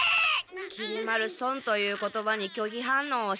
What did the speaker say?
きり丸損という言葉に拒否反応をしめしてる。